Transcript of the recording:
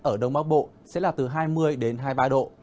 ở đông bắc bộ sẽ là từ hai mươi đến hai mươi ba độ